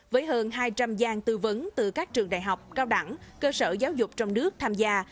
với hơn hai trăm linh gian tư vấn từ các trường đại học cao đẳng cơ sở giáo dục trong nước tham gia